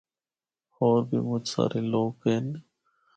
ہور بھی مُچ سارے لوک ہن۔